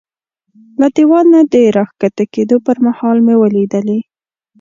له دېوال نه د را کښته کېدو پر مهال مې ولیدلې.